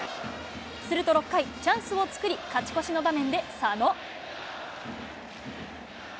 すると６回、チャンスを作り、勝ち越しの場面で佐野。